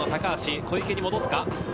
小池に戻すか。